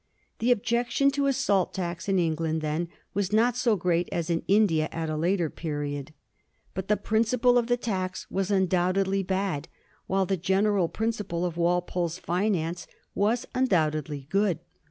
The objection to a salt tax in England then was not so great as in India at a later period ; but the principle of the tax was undoubtedly bad, while the general principle of Walpole's finance was undoubtedly good.